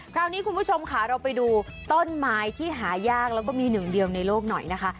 คุณผู้ชมค่ะเราไปดูต้นไม้ที่หายากแล้วก็มีหนึ่งเดียวในโลกหน่อยนะคะ